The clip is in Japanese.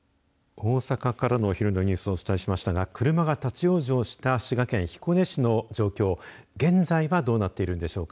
大阪からのお昼のニュースをお伝えしましたが車が立往生した滋賀県彦根市の状況、現在はどうなっているんでしょうか